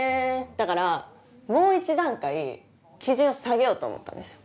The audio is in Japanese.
だからもう一段階基準下げようと思ったんですよ。